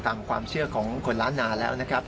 ตามความเชื่อของคนล้านนาแล้วนะครับ